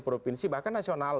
provinsi bahkan nasional